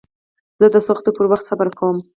زه د سختیو پر وخت صبر کوم.